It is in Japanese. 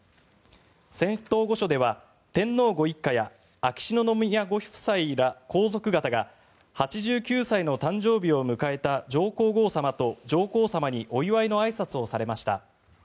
仙洞御所では天皇ご一家や秋篠宮ご夫妻ら皇族方が８９歳の誕生日を迎えた上皇后さまと上皇さまにお祝いのあいさつをされました。